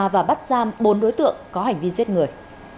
và bắt giam bốn đối tượng có hành vi giết người